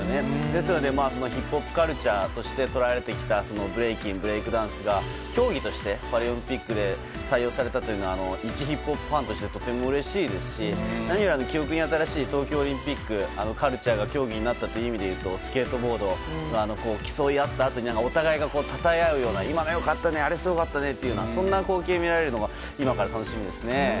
ですのでヒップホップカルチャーとして取られてきたブレイキン、ブレイクダンスが競技として、パリオリンピックで採用されたというのはいちヒップホップファンとしてとてもうれしいですし何より記憶に新しい東京オリンピックカルチャーが競技になったという意味で言うとスケートボードで競い合ったあとに、お互いがたたえ合うような今の良かったねあれすごかったねというそんな光景を見られるのも今から楽しみですね。